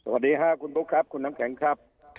สวัสดีค่ะคุณบุ๊คครับคุณน้ำแข็งครับ